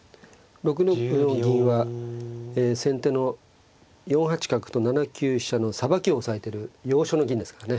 ６六の銀は先手の４八角と７九飛車のさばきを押さえてる要所の銀ですからね。